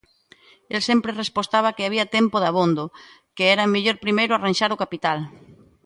El sempre respostaba que había tempo dabondo, que era mellor primeiro arranxar o capital...